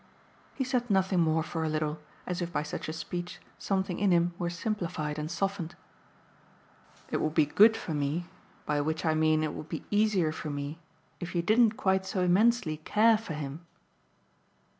He said nothing more for a little, as if by such a speech something in him were simplified and softened. "It would be good for me by which I mean it would be easier for me if you didn't quite so immensely care for him."